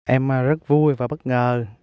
em rất vui và bất ngờ